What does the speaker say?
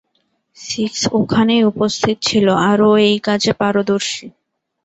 Six ওখানেই উপস্থিত ছিল, আর ও এই কাজে পারদর্শী।